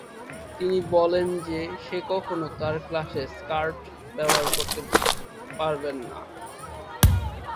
তিনি বলেন যে সে কখনও তাঁর ক্লাসে "স্কার্ট" ব্যবহার করতে পারবে না।